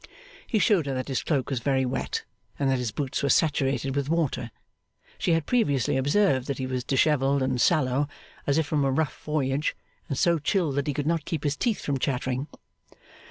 He showed her that his cloak was very wet, and that his boots were saturated with water; she had previously observed that he was dishevelled and sallow, as if from a rough voyage, and so chilled that he could not keep his teeth from chattering.